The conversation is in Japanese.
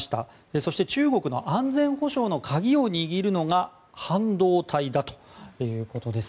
そして中国の安全保障の鍵を握るのが半導体だということです。